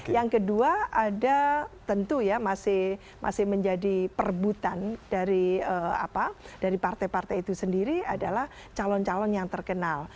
yang kedua ada tentu ya masih menjadi perebutan dari partai partai itu sendiri adalah calon calon yang terkenal